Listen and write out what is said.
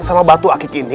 sama batu akik ini